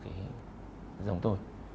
cái dòng tôi